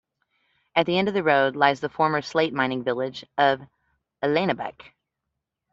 At the end of the road lies the former slate-mining village of Ellenabeich.